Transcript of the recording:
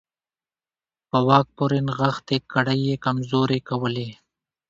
په واک پورې نښتې کړۍ یې کمزورې کولې.